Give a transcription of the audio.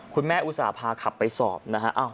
คุณแม่อุตส่าห์พาขับไปสอบนะครับ